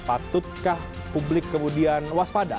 patutkah publik kemudian waspada